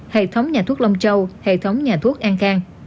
hệ thống nhà thuốc long châu hệ thống nhà thuốc an khang